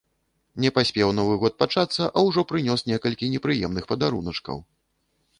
Не паспеў новы год пачацца, а ўжо прынёс некалькі непрыемных падаруначкаў.